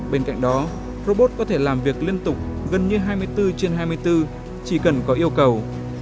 bên cạnh đó robot có thể làm việc liên tục gần như hai mươi bốn trên hai mươi bốn chỉ cần có yêu cầu